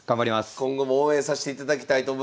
今後も応援さしていただきたいと思います。